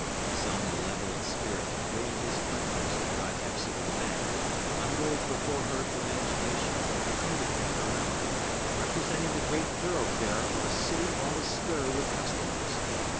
Some malevolent spirit, doing his utmost to drive Hepzibah mad, unrolled before her imagination a kind of panorama, representing the great thoroughfare of a city all astir with customers.